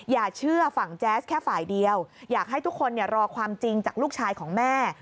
อย่าเชื่อฝั่งแจ๊สแค่ฝ่ายเดียวอยากให้ทุกคนรอความจริงจากลูกชายของแม่